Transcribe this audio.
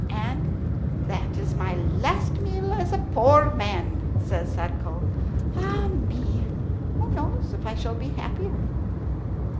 "And that is my last meal as a poor man," says Sadko. "Ah me! who knows if I shall be happier?"